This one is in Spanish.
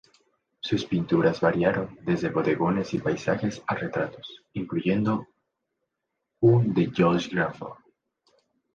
Sus pinturas variaron desde bodegones y paisajes a retratos, incluyendo un de Joyce Grenfell.